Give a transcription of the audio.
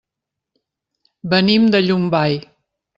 Venim de Llombai.